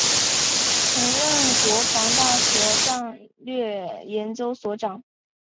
曾任国防大学战略研究所长。